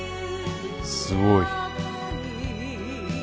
すごい。